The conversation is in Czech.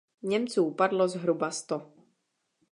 Němců padlo zhruba sto.